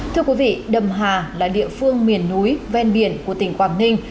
thưa quý vị đầm hà là địa phương miền núi ven biển của tỉnh quảng ninh